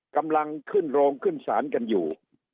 กำลังขึ้นโรงขึ้นศาลกันอยู่